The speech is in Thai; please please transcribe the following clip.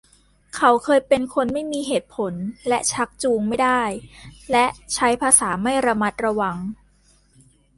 เขาเคยเป็นคนไม่มีเหตุผล และชักจูงไม่ได้ และใช้ภาษาไม่ระมัดระวัง